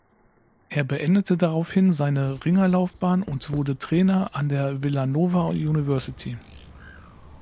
Er beendete daraufhin seine Ringerlaufbahn und wurde Trainer an der Villanova University.